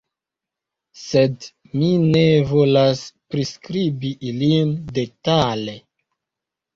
Sed mi ne volas priskribi ilin detale.